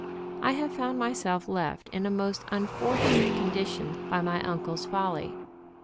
I have found myself left in a most unfortunate condition by my uncle's folly.